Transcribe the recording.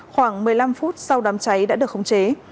khoảng một mươi năm phút sau đám cháy đã được khống chế